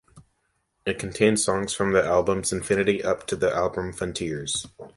It contains songs from the albums "Infinity" up to the album "Frontiers".